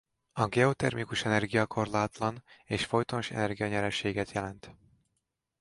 A geotermikus energia korlátlan és folytonos energia nyereséget jelent.